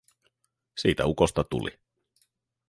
Siitä ukosta tuli.